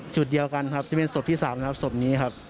จุดเดียวกันครับจะเป็นศพที่๓นะครับศพนี้ครับ